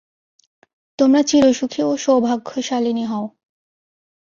তোমরা চিরসুখী ও সৌভাগ্যশালিনী হও।